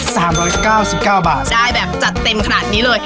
สามร้อยเก้าสิบเก้าบาทได้แบบจัดเต็มขนาดนี้เลย